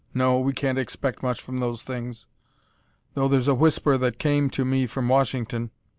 No, we can't expect much from those things. Though there's a whisper that came to me from Washington.